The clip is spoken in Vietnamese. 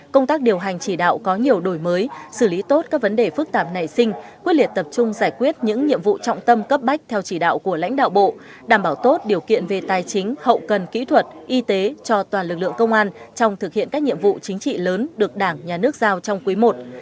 công tác điều hành chỉ đạo có nhiều đổi mới xử lý tốt các vấn đề phức tạp nảy sinh quyết liệt tập trung giải quyết những nhiệm vụ trọng tâm cấp bách theo chỉ đạo của lãnh đạo bộ đảm bảo tốt điều kiện về tài chính hậu cần kỹ thuật y tế cho toàn lực lượng công an trong thực hiện các nhiệm vụ chính trị lớn được đảng nhà nước giao trong quý i